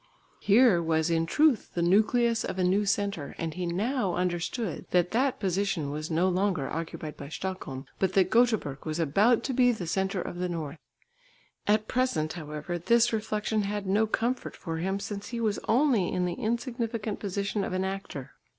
Here was in truth the nucleus of a new centre, and he now understood that that position was no longer occupied by Stockholm, but that Göteborg was about to be the centre of the north. At present, however, this reflection had no comfort for him since he was only in the insignificant position of an actor.